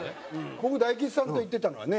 僕大吉さんと行ってたのがね